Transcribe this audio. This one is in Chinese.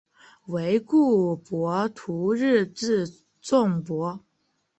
惟故博徒日至纵博。